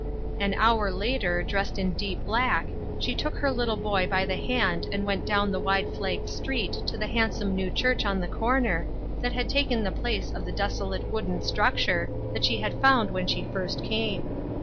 An hour later, dressed in deep black, she took LOGIC AND INTERROGATION POINTS. 3 1 her little boy by the hand and went down the wide flagged street to the handsome new church on the corner, that had taken the place of the desolate wooden structure that she had found when she first came.